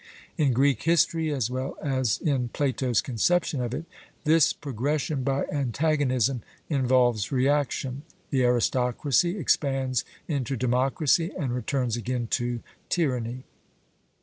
In Greek history, as well as in Plato's conception of it, this 'progression by antagonism' involves reaction: the aristocracy expands into democracy and returns again to tyranny.